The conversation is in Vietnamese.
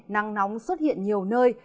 nắng nóng xuất hiện nhiều nơi